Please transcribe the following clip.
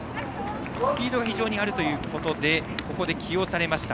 スピードが非常にあるということでここで起用されました。